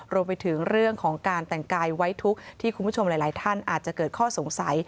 รวมไปถึงเรื่องของการแต่งกายไว้ทุกข์ที่คุณผู้ชมหลายท่านอาจจะเกิดข้อสงสัย